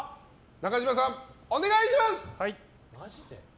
中島さん、お願いします。